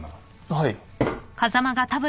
はい。